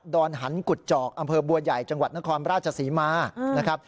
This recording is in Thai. ดอนหันกุดเจาะอำเภอบัวใหญ่จังหวัดนครราชศรีมาร์